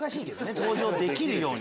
「登場できるように」？